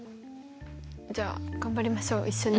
じゃあ頑張りましょう一緒に。